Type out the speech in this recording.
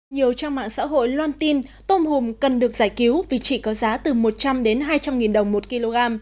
nhiều trang mạng xã hội loan tin tôm hùm cần được giải cứu vì chỉ có giá từ một trăm linh đến hai trăm linh nghìn đồng một kg